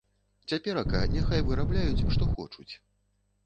Цяперака няхай вырабляюць што хочуць.